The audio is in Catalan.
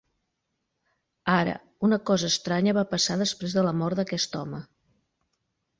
Ara, una cosa estranya va passar després de la mort d'aquest home.